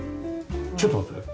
ちょっと待ってね。